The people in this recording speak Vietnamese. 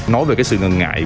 nói về cái sự ngần ngại